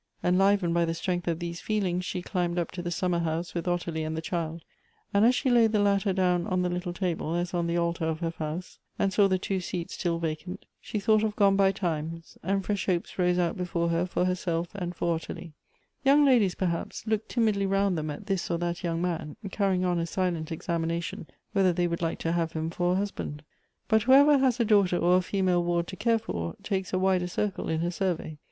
Enlivened by the strength of those feelings, she climbed u[) to the summer house with Ottilie and the child, and as she laid the latter down on the little table, as on the altar of her house, and saw the two seats still vacant, she thought of gone by times, and fresh hopes rose out before her for herself and for Ottilie. Young ladies, perhaps, look timidly round them at this or that young man, carrying on a silent examination, whether they would like to have him for a husband ; but whoever has a daughter or a female ward to care for, takes a wider circle in her survey.